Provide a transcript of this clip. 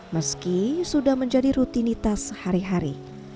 meski sudah menjadi rutinitas hari hari